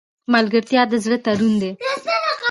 ملګرتیا د زړه تړون دی.